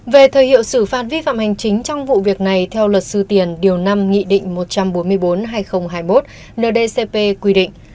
về thời hiệu xử phạt vi phạm hành chính trong vụ việc này theo luật sư tiền điều năm nghị định một trăm bốn mươi bốn hai nghìn hai mươi một ndcp quy định